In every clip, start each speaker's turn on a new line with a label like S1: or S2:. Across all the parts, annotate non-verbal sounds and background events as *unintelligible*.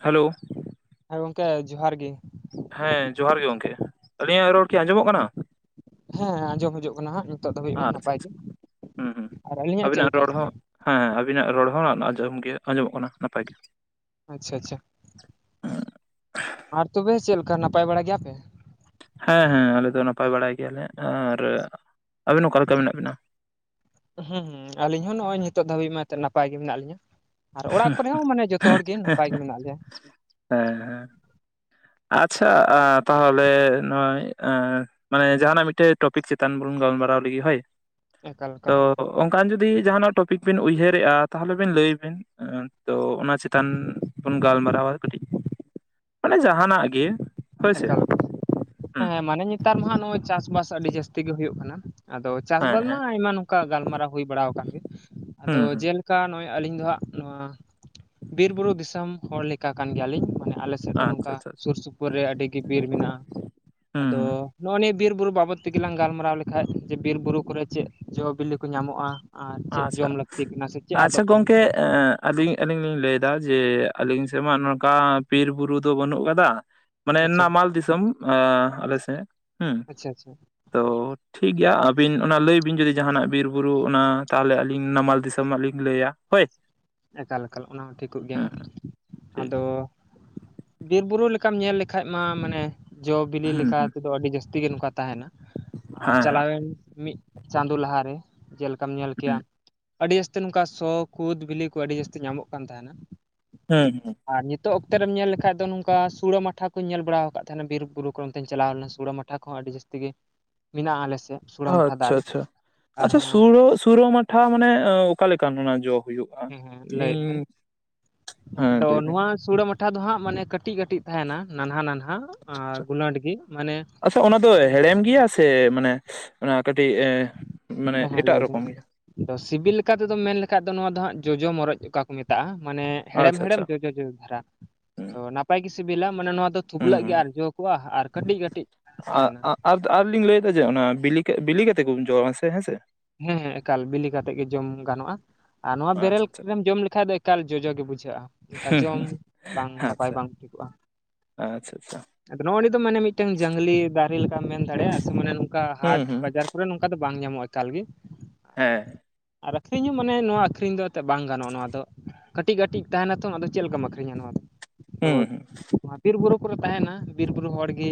S1: Hello
S2: ᱦᱮᱸ ᱜᱚᱝᱠᱮ ᱡᱚᱦᱟᱨ ᱜᱮ᱾
S1: ᱦᱮᱸ ᱡᱚᱦᱟᱨ ᱜᱮ ᱜᱚᱝᱠᱮ, ᱟᱹᱞᱤᱧᱟᱜ ᱨᱚᱲ ᱠᱤ ᱟᱸᱡᱚᱢᱚᱜ ᱠᱟᱱᱟ ᱾
S2: ᱦᱮᱸ ᱟᱸᱡᱚᱢ ᱦᱤᱡᱩᱜ ᱠᱟᱱᱟ ᱦᱟᱸᱜ ᱱᱤᱛᱚᱜ ᱫᱷᱟᱵᱤᱜ ᱢᱟ
S1: ᱟᱪᱪᱷᱟ
S2: ᱱᱟᱯᱟᱭ ᱜᱮ,
S1: ᱟᱪᱪᱷᱟ ᱦᱩᱸ ᱦᱩᱸ
S2: ᱟᱨ ᱟᱹᱞᱤᱧᱟᱜ ᱪᱮᱫ
S1: ᱟᱹᱵᱤᱱᱟᱜ
S2: ᱞᱮᱠᱟ?
S1: ᱨᱚᱲ ᱦᱚᱸ ᱦᱮᱸ ᱟᱵᱤᱱᱟᱜ ᱨᱚᱲ ᱦᱚᱸ ᱟᱸᱡᱚᱢ ᱜᱮ ᱟᱸᱡᱚᱢᱚᱜ ᱠᱟᱱᱟ ᱱᱟᱯᱟᱭ ᱜᱮ᱾
S2: ᱟᱪᱪᱷᱟ ᱟᱪᱪᱷᱟ᱾ ᱟᱨ ᱛᱚᱵᱮ ᱪᱮᱫ ᱞᱮᱠᱟ ᱱᱟᱯᱟᱭ ᱵᱟᱲᱟ ᱜᱮᱭᱟ ᱯᱮ?
S1: ᱦᱮᱸ ᱦᱮᱸ ᱟᱞᱮ ᱫᱚ ᱱᱟᱯᱟᱭ ᱵᱟᱲᱟᱭ ᱜᱮᱭᱟᱞᱮ ᱟᱨ ᱟᱹᱵᱮᱱ ᱚᱠᱟ ᱞᱮᱠᱟ ᱢᱮᱱᱟᱜ ᱵᱤᱱᱟ?
S2: ᱦᱩᱸ ᱦᱩᱸ ᱟᱞᱤᱧ ᱦᱚᱸ ᱱᱚᱜᱼᱚᱭ ᱱᱤᱛᱚᱜ ᱫᱷᱟᱹᱵᱤᱡ ᱢᱟ ᱱᱟᱯᱟᱭ ᱜᱮ ᱢᱮᱱᱟᱜ ᱞᱤᱧᱟ᱾ ᱟᱨ ᱚᱲᱟᱜ ᱠᱚᱨᱮ ᱦᱚᱸ ᱢᱟᱱᱮ ᱡᱚᱛᱚ ᱦᱚᱲ ᱜᱮ ᱱᱟᱯᱟᱭ ᱜᱮ ᱢᱮᱱᱟᱜ ᱞᱮᱭᱟ᱾
S1: ᱦᱮᱻ ᱦᱮᱸ ᱾ ᱟᱪᱪᱷᱟ ᱛᱟᱦᱚᱞᱮ ᱱᱚᱜᱼᱚᱭ ᱮ ᱢᱟᱱᱮ ᱡᱟᱦᱟᱱᱟᱜ ᱢᱤᱫᱴᱮᱡ ᱴᱚᱯᱤᱠ ᱪᱮᱛᱟᱱ ᱵᱚᱱ ᱜᱟᱞᱢᱟᱨᱟᱣ ᱞᱤᱜᱤ ᱦᱳᱭ᱾
S2: ᱮᱠᱟᱞ
S1: ᱛᱚ
S2: ᱮᱠᱟᱞ ᱾
S1: ᱚᱱᱠᱟᱱ ᱡᱩᱫᱤ ᱡᱟᱦᱟ ᱱᱟᱜ ᱴᱚᱯᱤᱠ ᱵᱤᱱ ᱩᱭᱦᱟᱹᱨᱮᱜᱼᱟ ᱛᱟᱦᱚᱞᱮ ᱵᱤᱱ ᱞᱟᱹᱭ ᱵᱤᱱ᱾ ᱛᱚ ᱚᱱᱟ ᱪᱮᱛᱟᱱ ᱵᱚᱱ ᱜᱟᱞᱢᱟᱨᱟᱣᱼᱟ ᱠᱟᱹᱴᱤᱡ, ᱢᱟᱱᱮ ᱡᱟ ᱦᱟᱱᱟᱜ ᱜᱮ᱾ ᱦᱳᱭᱥᱮ
S2: ᱮᱠᱟᱞ ᱮᱠᱟᱞ ᱮ
S1: ᱦᱮᱸ
S2: ᱢᱟᱱᱮ ᱱᱮᱛᱟᱨ ᱢᱟ ᱦᱟᱸᱜ ᱱᱚᱜᱼᱚᱭ ᱪᱟᱥᱵᱟᱥ ᱟᱹᱰᱤ ᱡᱟᱹᱥᱛᱤ ᱜᱮ ᱦᱩᱭᱩᱜ ᱠᱟᱱᱟ ᱾ ᱟᱫᱚ
S1: ᱦᱮᱸ
S2: ᱪᱟᱥᱵᱟᱥ
S1: ᱦᱮᱸ
S2: ᱢᱟ ᱟᱭᱢᱟ ᱱᱚᱝᱠᱟ ᱜᱟᱞᱢᱟᱨᱟᱣ ᱦᱩᱭ ᱵᱟᱲᱟ ᱠᱟᱱ ᱜᱮ, ᱟᱫᱚ
S1: ᱦᱩᱸ ᱦᱩᱸ
S2: ᱡᱮ ᱠᱟ ᱱᱚᱜᱼᱚᱭ ᱟᱹᱞᱤᱧ ᱫᱚ ᱦᱟᱸᱜ ᱱᱚᱣᱟ ᱵᱤᱨ ᱵᱩᱨᱩ ᱫᱤᱥᱚᱢ ᱦᱚᱲ ᱞᱮᱠᱟ ᱠᱟᱱ ᱜᱮᱭᱟ ᱞᱤᱧ, ᱢᱟᱱᱮ ᱟᱞᱮ
S1: ᱟᱪᱪᱷᱟ ᱟᱪᱪᱷᱟ ᱪᱷᱟ ᱾
S2: ᱠᱚᱨᱮ ᱟᱹᱰᱤ ᱜᱮ ᱵᱤᱨ ᱢᱮᱱᱟᱜᱼᱟ, ᱟᱫᱚ
S1: ᱦᱩᱸ
S2: ᱱᱚᱜᱼᱚ ᱱᱤᱭᱟᱹ ᱵᱤᱨ ᱵᱩᱨᱩ ᱵᱟᱵᱚᱫ ᱛᱮᱜᱮ ᱞᱟᱝ ᱜᱟᱞᱢᱟᱨᱟᱣ ᱞᱮᱠᱷᱟᱡ ᱡᱮ ᱵᱤᱨ ᱵᱩᱨᱩ ᱠᱚᱨᱮ ᱪᱮᱫ ᱡᱚᱼᱵᱤᱞᱤ ᱠᱚ ᱧᱟᱢᱚᱜᱼᱟ? ᱟᱨ ᱪᱮᱫ
S1: ᱟᱪᱪᱷᱟ
S2: ᱡᱚᱢ ᱞᱟᱹᱠᱛᱤ ᱠᱟᱱᱟ ᱥᱮ ᱪᱮᱫ
S1: ᱟᱪᱪᱷᱟ
S2: ᱟᱫᱚᱜ ᱠᱟᱱᱟ?
S1: ᱜᱚᱝᱠᱮ ᱮᱸ ᱟᱹᱞᱤᱧ ᱟᱹᱞᱤᱧ ᱞᱤᱧ ᱞᱟᱹᱭ ᱫᱟ ᱡᱮ ᱟᱹᱞᱤᱧ ᱥᱮᱫ ᱢᱟ ᱱᱚᱝᱠᱟ ᱵᱤᱨ ᱵᱩᱨᱩ ᱫᱚ ᱵᱟᱹᱱᱩᱜ ᱠᱟᱫᱟ᱾ ᱢᱟᱱᱮ
S2: ᱟᱪᱪᱷᱟ
S1: ᱱᱟᱢᱟᱞ ᱫᱤᱥᱚᱢ ᱟᱞᱮ ᱥᱮᱫ᱾ ᱦᱩᱸ
S2: ᱟᱪᱪᱷᱟ ᱟᱪᱪᱷᱟ ᱾
S1: ᱛᱚ ᱴᱷᱤᱠ ᱜᱮᱭᱟ ᱟᱹᱵᱤᱱ ᱚᱱᱟ ᱞᱟᱹᱭ ᱵᱤᱱ ᱡᱩᱫᱤ ᱡᱟᱦᱟᱱᱟᱜ ᱵᱤᱨᱵᱩᱨᱩ ᱚᱱᱟ ᱛᱟᱦᱚᱞᱮ ᱟᱹᱞᱤᱧ ᱱᱟᱢᱟᱞ ᱫᱤᱥᱚᱢ ᱨᱮᱱᱟᱜ ᱞᱤᱧ ᱞᱟᱹᱭᱟ, ᱦᱳᱭ ᱾
S2: ᱮᱠᱟᱞ ᱮᱠᱟᱞ ᱚᱱᱟ ᱦᱚᱸ ᱴᱷᱤᱠᱚᱜ ᱜᱮᱭᱟ ᱦᱟᱸᱜ,
S1: ᱴᱷᱤᱠ
S2: ᱟᱫᱚ
S1: ᱜᱮᱭᱟ
S2: ᱵᱤᱨ ᱵᱩᱨᱩ ᱞᱮᱠᱟᱢ ᱧᱮᱞ ᱞᱮᱠᱷᱟᱡ ᱢᱟ ᱢᱟᱱᱮ ᱡᱚ ᱵᱤᱞᱤ
S1: ᱦᱩᱸ
S2: ᱞᱮᱠᱟ
S1: ᱦᱩᱸ
S2: ᱛᱮᱫᱚ ᱟᱹᱰᱤ ᱡᱟᱹᱥᱛᱤ ᱜᱮ ᱱᱚᱝᱠᱟ ᱛᱟᱦᱮᱱᱟ ᱾ ᱟᱨ
S1: ᱦᱮᱸ ᱦᱮᱸ
S2: ᱪᱟᱞᱟᱣᱮᱱ ᱢᱤᱫ ᱪᱟᱸᱫᱳ ᱞᱟᱦᱟᱨᱮ ᱡᱮᱞᱮᱠᱟᱢ ᱧᱮᱞ ᱠᱮᱭᱟ
S1: ᱦᱩᱸ
S2: ᱟᱹᱰᱤ ᱡᱟᱹᱥᱛᱤ ᱱᱚᱝᱠᱟ ᱥᱚ ᱠᱩᱫ ᱵᱤᱞᱤ ᱠᱚ ᱟᱹᱰᱤ ᱡᱟᱹᱥᱛᱤ ᱧᱟᱢᱚᱜ ᱠᱟᱱ ᱛᱟᱦᱮᱱᱟ ᱾
S1: *unintelligible*
S2: ᱟᱨ ᱱᱤᱛᱚᱜ ᱚᱠᱛᱮ ᱨᱮᱢ ᱧᱮᱞ ᱞᱮᱠᱷᱟᱡ ᱫᱚ ᱥᱩᱲᱟᱹ ᱢᱟᱴᱷᱟ ᱠᱚᱧ ᱧᱮᱞ ᱵᱟᱲᱟ ᱟᱠᱟᱫ ᱛᱟᱦᱮᱱᱟ ᱵᱤᱨ ᱵᱩᱨᱩ ᱠᱚ ᱚᱱᱛᱮᱧ ᱪᱟᱞᱟᱣ ᱞᱮᱱᱟ ᱥᱩᱲᱟᱹ ᱢᱟᱴᱷᱟ ᱠᱚᱦᱚᱸ ᱟᱹᱰᱤ ᱡᱟᱥᱛᱤ ᱜᱮ ᱢᱮᱱᱟᱜᱼᱟ ᱟᱞᱮ ᱥᱮᱫ ᱾
S1: ᱟᱪᱪᱷᱟ ᱟᱪᱪᱷᱟ, ᱟᱪᱪᱷᱟ ᱥᱩᱲᱟᱹ ᱢᱟᱴᱷᱟ ᱢᱟᱱᱮ ᱚᱠᱟ ᱞᱮᱠᱟᱱ ᱚᱱᱟ ᱡᱚ ᱦᱩᱭᱩᱜᱼᱟ?
S2: ᱦᱮᱸ ᱦᱮᱸ
S1: ᱤᱧ
S2: ᱞᱟᱹᱭᱮᱫ ᱛᱟᱦᱮᱸᱱ
S1: ᱦᱮᱸ ᱞᱟᱹᱭ ᱵᱤᱱ
S2: ᱱᱚᱣᱟ ᱥᱩᱲᱟᱹ ᱢᱟᱴᱷᱟ ᱫᱚ ᱦᱟᱸᱜ ᱢᱟᱱᱮ ᱠᱟᱹᱴᱤᱡ ᱠᱟᱹᱴᱤᱡ ᱛᱟᱦᱮᱱᱟ ᱱᱟᱱᱦᱟ ᱱᱟᱱᱦᱟ ᱦᱟᱸᱜ ᱟᱨ ᱜᱩᱞᱟ ᱜᱤ ᱢᱟᱱᱮ
S1: ᱛᱚ ᱚᱱᱟ ᱫᱚ ᱦᱮᱲᱮᱢ ᱜᱮᱭᱟ ᱥᱮ ᱢᱟᱱᱮ ᱚᱱᱟ ᱠᱟᱹᱴᱤᱡ ᱮᱸ ᱻ
S2: ᱦᱮᱸ ᱦᱮᱸ ᱞᱟᱹᱭ ᱵᱤᱱ ᱾ ᱛᱚ ᱥᱤᱵᱤᱞ ᱞᱮᱠᱟ ᱛᱮᱫᱚ ᱢᱮᱱ ᱞᱮᱠᱷᱟᱡ ᱫᱚ ᱱᱚᱣᱟ ᱫᱚ ᱦᱟᱸᱜ ᱡᱚᱡᱚ ᱢᱚᱨᱚᱡ ᱚᱠᱟ ᱠᱚ ᱢᱮᱛᱟᱜᱼᱟ ᱢᱟᱱᱮ ᱦᱮᱲᱮᱢ
S1: ᱟᱪᱪᱷᱟ
S2: ᱦᱮᱲᱮᱢ
S1: ᱟᱪᱪᱷᱟ
S2: ᱡᱚᱡᱚ ᱡᱚᱡᱚ ᱫᱷᱟᱨᱟ
S1: ᱦᱩᱸ
S2: ᱱᱟᱯᱟᱭ ᱜᱮ ᱥᱤᱵᱤᱞᱟ, ᱢᱟᱱᱮ ᱱᱚᱣᱟ ᱫᱚ
S1: ᱦᱩᱸ
S2: ᱛᱷᱩᱯᱞᱟᱹᱜ
S1: ᱦᱩᱸ
S2: ᱜᱮᱭᱠ ᱟᱨ ᱡᱚᱠᱚᱣᱟ ᱟᱨ ᱠᱟᱹᱴᱤᱡ
S1: ᱟ
S2: ᱛᱟᱦᱮᱱᱟ
S1: ᱟ ᱟᱨ ᱟᱨ ᱞᱤᱧ ᱞᱟᱹᱭᱮᱫᱟ ᱡᱮ ᱚᱱᱟ ᱵᱤᱞᱤ ᱵᱤᱞᱤ ᱠᱟᱛᱮ ᱠᱚ ᱡᱚᱢᱟ ᱥᱮ ᱦᱮᱸ ᱥᱮ?
S2: ᱦᱮᱸ ᱦᱮᱸ ᱮᱠᱟᱞ ᱵᱤᱞᱤ ᱠᱟᱛᱮᱜ ᱜᱮ ᱡᱚᱢ ᱜᱟᱱᱚᱜᱼᱟ ᱾ ᱟᱨ ᱱᱚᱣᱟ ᱵᱮᱨᱮᱞ
S1: ᱟᱪᱪᱷᱟ ᱟᱪᱪᱷᱟ
S2: ᱨᱮᱢ ᱡᱚᱢ ᱞᱮᱠᱷᱟᱡ ᱫᱚ ᱮᱠᱟᱞ ᱡᱚᱡᱚ ᱜᱮ ᱵᱩᱡᱷᱟᱹᱜᱼᱟ ᱾ ᱠᱟ
S1: ᱦᱩᱸ
S2: ᱡᱚᱢ
S1: ᱦᱩᱸ
S2: ᱵᱟᱝ ᱱᱟᱯᱟᱭ
S1: ᱟᱪᱪᱷᱟ
S2: ᱵᱟᱝ ᱦᱩᱭᱩᱜ-ᱟ᱾
S1: ᱟᱪᱪᱷᱟ ᱟᱪᱪᱷᱟ
S2: ᱟᱫᱚ ᱱᱚᱜᱼᱚᱭ ᱱᱤᱛᱚᱜ ᱢᱟᱱᱮ ᱢᱤᱫᱴᱟᱝ ᱡᱚᱝᱞᱤ ᱜᱟᱨᱮ ᱞᱮᱠᱟᱢ ᱢᱮᱱ ᱫᱟᱲᱮᱭᱟᱜᱼᱟ ᱥᱮ ᱢᱟᱱᱮ ᱱᱚᱝᱠᱟ
S1: ᱦᱩᱸ
S2: ᱦᱟᱴ
S1: ᱦᱩᱸ
S2: ᱵᱟᱡᱟᱨ ᱯᱚᱨᱟᱹ ᱱᱚᱝᱠᱟ ᱫᱚ ᱵᱟᱝ ᱧᱟᱢᱚᱜᱼᱟ ᱮᱠᱟᱞ ᱜᱮ ᱟᱨ
S1: ᱦᱮᱸ
S2: ᱟᱨ ᱟᱹᱠᱷᱨᱤᱧ ᱦᱚᱸ ᱢᱟᱱᱮ ᱱᱚᱣᱟ ᱟᱹᱠᱷᱨᱤᱧ ᱫᱚ ᱮᱱᱛᱮᱫ ᱵᱟᱝ ᱜᱟᱱᱚᱜ-ᱟ ᱱᱚᱣᱟ ᱫᱚ ᱾ ᱠᱟᱹᱴᱤᱡ ᱠᱟᱹᱴᱤᱡ ᱛᱟᱦᱮᱱᱟ ᱛᱚ ᱟᱫᱚ ᱪᱮᱫ ᱞᱮᱠᱟᱢ ᱟᱹᱠᱷᱨᱤᱧᱟ ᱱᱚᱣᱟ ᱫᱚ ᱛᱚ
S1: ᱦᱩᱸ ᱦᱩᱸ
S2: ᱵᱤᱨ ᱵᱩᱨᱩ ᱠᱚᱨᱮ ᱛᱟᱦᱮᱱᱟ ᱵᱤᱨ ᱵᱩᱨᱩ ᱦᱚᱲᱜᱮ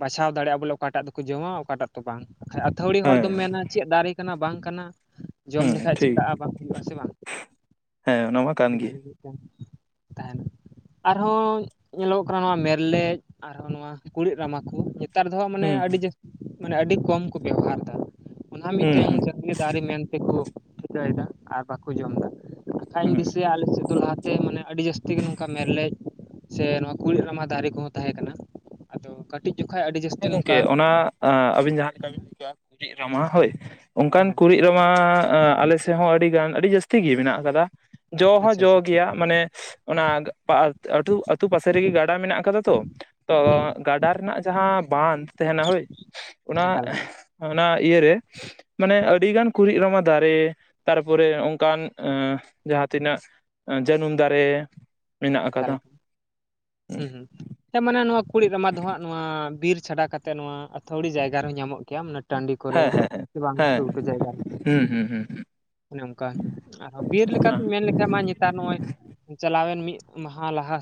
S2: ᱵᱟᱪᱷᱟᱣ ᱫᱟᱲᱮᱭᱟᱜ-ᱟ ᱵᱚᱞᱮ ᱚᱠᱟᱴᱟᱜ ᱫᱚᱠᱚ ᱡᱚᱢᱟ ᱚᱠᱟᱴᱟᱜ ᱫᱚ ᱵᱟᱝ ᱟᱹᱛᱷᱟᱹᱣᱲᱤ ᱦᱚᱲ ᱫᱚᱢ
S1: ᱦᱮᱸ
S2: ᱢᱮᱱᱟ ᱪᱮᱫ ᱫᱟᱨᱮ ᱠᱟᱱᱟ ᱵᱟᱝ ᱠᱟᱱᱟ ᱡᱚᱢ
S1: ᱦᱩᱸ
S2: ᱞᱮᱠᱷᱟᱡ
S1: ᱴᱷᱤᱠ
S2: ᱪᱤᱠᱟᱹᱜ-ᱟ ᱵᱟ ᱵᱟᱥᱮ ᱵᱟᱝ?
S1: ᱦᱮᱸ ᱚᱱᱟ ᱢᱟ ᱠᱟᱱ ᱜᱮ
S2: ᱛᱟᱦᱮᱱ ᱟᱨ ᱦᱚᱸᱧᱮᱞᱚᱜᱚᱜ ᱠᱟᱱᱟ ᱱᱚᱣᱟ ᱢᱮᱨᱞᱮᱡ ᱟᱨᱦᱚᱸ ᱠᱩᱲᱤᱫ ᱨᱟᱢᱟ ᱠᱩ ᱛᱟᱨ ᱫᱚᱦᱟ ᱢᱟᱱᱮ
S1: ᱦᱩᱸ
S2: ᱟᱹᱰᱤ
S1: ᱦᱩᱸ
S2: ᱡᱟᱹᱥᱛ ᱢᱟᱱᱮ ᱟᱹᱰᱤ ᱠᱚᱢ ᱠᱚ ᱵᱮᱵᱚᱦᱟᱨ ᱮᱫᱟ᱾ ᱚᱱᱟ
S1: ᱦᱩᱸ
S2: ᱢᱤᱫᱴᱮᱱ
S1: ᱦᱩᱸ
S2: ᱡᱟᱛᱤᱭᱳ ᱫᱟᱨᱮ ᱢᱮᱱ ᱛᱮᱠᱚ ᱴᱷᱤᱠᱟᱹᱭᱮᱫᱟ ᱟᱨ ᱵᱟᱠᱚ ᱡᱚᱢ ᱫᱟ ᱾ ᱠᱷᱟᱱ
S1: ᱦᱩᱸ
S2: ᱵᱟᱥᱤ ᱟᱞᱮ ᱥᱮᱫ ᱞᱟᱦᱟᱛᱮ ᱢᱟᱱᱮ ᱟᱹᱰᱤ ᱡᱟᱹᱥᱛᱤ ᱜᱮ ᱱᱚᱝᱠᱟ ᱢᱮᱨᱞᱮᱡᱽ ᱥᱮ ᱱᱚᱣᱟ ᱠᱩᱲᱤᱫ ᱨᱟᱢᱟ ᱫᱟᱨᱮ ᱠᱚᱦᱚᱸ ᱛᱟᱦᱮᱸ ᱠᱟᱱᱟ ᱟᱫᱚ ᱠᱟᱹᱴᱤᱡ ᱡᱚᱠᱷᱟᱡ ᱟᱹᱰᱤ ᱡᱟᱹᱥᱛᱤ
S1: ᱮᱸ
S2: ᱱᱚᱝᱠᱟ
S1: ᱜᱚᱝᱠᱮ ᱚᱱᱟ ᱟ ᱟᱵᱤᱱ ᱡᱟᱦᱟ ᱞᱮᱠᱟ ᱵᱩᱡᱷᱟᱜᱟ ᱠᱩᱲᱤᱫ ᱨᱟᱢᱟ ᱦᱳᱭ ᱚᱱᱠᱟᱱ
S2: ᱦᱮᱸ
S1: ᱠᱩᱲᱤᱫᱽ ᱨᱟᱢᱟ ᱢᱟ ᱟ ᱟᱞᱮ ᱥᱮᱫ ᱦᱚᱸ ᱟᱹᱰᱤ ᱜᱟᱱ ᱟᱹᱰᱤ ᱡᱟᱹᱥᱛᱤ ᱜᱮ ᱢᱮᱱᱟᱜ ᱠᱟᱫᱟ᱾ ᱡᱚ ᱦᱚᱸ
S2: ᱟᱪᱪᱷᱟ
S1: ᱡᱚ
S2: ᱟᱪᱪᱷᱟ
S1: ᱜᱮᱭᱟ ᱢᱟᱱᱮ ᱚᱱᱟ ᱯᱟ ᱟᱴᱩ ᱟᱛᱩ ᱯᱟᱥᱮ ᱨᱮᱜᱮ ᱜᱟᱰᱟ ᱢᱮᱱᱟᱜ ᱟᱠᱟᱫᱟ ᱛᱚ ᱛᱚ
S2: ᱦᱩᱸ
S1: ᱜᱟᱰᱟ ᱨᱮᱱᱟᱜ ᱡᱟᱦᱟᱸ ᱵᱟᱸᱫ ᱛᱟᱦᱮᱱᱟ ᱦᱳᱭ ᱚᱱᱟ
S2: ᱮᱠᱟᱞ ᱮᱠᱟᱞ
S1: ᱚᱱᱟ ᱤᱭᱟᱹ ᱨᱮ ᱢᱟᱱᱮ ᱟᱹᱰᱤ ᱜᱟᱱ ᱠᱩᱲᱤᱫ ᱨᱚᱢᱟ ᱫᱟᱨᱮ ᱛᱟᱨᱯᱚᱨᱮ ᱚᱱᱠᱟᱱ ᱡᱟᱦᱟ ᱛᱤᱱᱟᱹᱜ ᱟ ᱡᱟᱹᱱᱩᱢ ᱫᱟᱨᱮ ᱢᱮᱱᱟᱜ
S2: ᱮᱠᱟᱞᱟ
S1: ᱟᱠᱟᱫᱟ
S2: ᱦᱩᱸ ᱦᱩᱸ ᱥᱮ ᱢᱟᱱᱮ ᱱᱚᱣᱟ ᱠᱩᱲᱤᱫ ᱨᱟᱢᱟ ᱫᱚ ᱦᱟᱜ ᱱᱚᱣᱟ ᱵᱤᱨ ᱪᱷᱟᱰᱟ ᱠᱟᱛᱮᱜ ᱱᱚᱣᱟ ᱟᱹᱛᱷᱣᱲᱤ ᱡᱟᱭᱜᱟ ᱨᱮᱦᱚᱸ ᱧᱟᱢᱚᱜ ᱜᱮᱭᱟ ᱴᱟᱺᱰᱤ ᱠᱚᱨᱮ
S1: ᱦᱮᱸ
S2: ᱥᱮ ᱵᱟᱝ ᱜᱷᱩᱴᱩ
S1: ᱦᱮᱸ
S2: ᱜᱷᱩᱴᱩ ᱡᱟᱭᱜᱟ ᱨᱮ
S1: ᱦᱮᱸ ᱦᱮᱸ
S2: ᱚᱱᱮ ᱚᱱᱠᱟ ᱟᱨᱚᱸ ᱵᱤᱨ
S1: ᱦᱩᱸ
S2: ᱞᱮᱠᱟ
S1: ᱦᱩᱸ
S2: ᱛᱤᱧ ᱢᱮᱱ ᱞᱮᱠᱷᱟᱡ ᱢᱟ ᱱᱮᱛᱟᱨ ᱱᱚᱜᱚᱭ ᱪᱟᱞᱟᱣᱮᱱ ᱢᱤᱫ ᱢᱟᱦᱟ ᱞᱟᱦᱟ